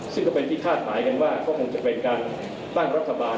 ซึ่งก็เป็นที่คาดหมายกันว่าก็คงจะเป็นการตั้งรัฐบาล